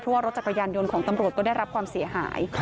เพราะว่ารถจักรยานยนต์ของตำรวจก็ได้รับความเสียหาย